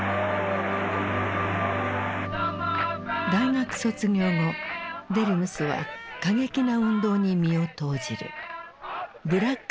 大学卒業後デルムスは過激な運動に身を投じる。